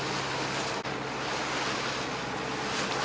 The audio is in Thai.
สวัสดีครับคุณผู้ชาย